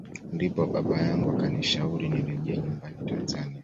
Ndipo baba yangu akanishauri nirejee nyumbani Tanzania